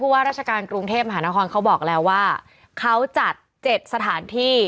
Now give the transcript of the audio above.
ว่าราชการกรุงเทพมหานครเขาบอกแล้วว่าเขาจัด๗สถานที่